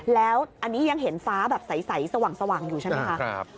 แล้วอันนี้ยังเห็นฟ้าแบบใสสว่างอยู่ใช่ไหมคะ